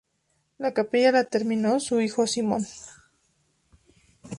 La capilla la terminó su hijo Simón.